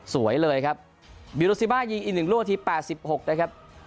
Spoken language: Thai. สวยเลยครับบิโรซิมายิงอีก๑ลูกนาที๘๖นะครับ